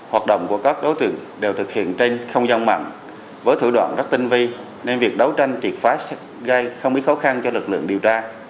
hoạt động của các đối tượng đều thực hiện trên không gian mạng với thủ đoạn rất tinh vi nên việc đấu tranh triệt phá gây không ít khó khăn cho lực lượng điều tra